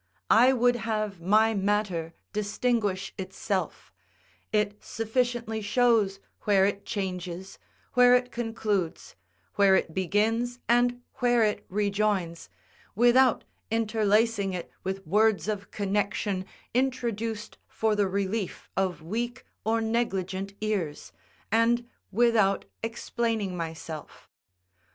I would have my matter distinguish itself; it sufficiently shows where it changes, where it concludes, where it begins, and where it rejoins, without interlacing it with words of connection introduced for the relief of weak or negligent ears, and without explaining myself.